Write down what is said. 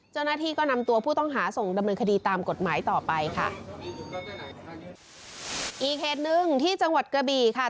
เจ้าหน้าที่ก็นำตัวผู้ต้องหาส่งดำเนินคดีตามกฎหมายต่อไปค่ะอีกเหตุหนึ่งที่จังหวัดกระบี่ค่ะ